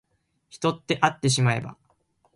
人ってあってしまえば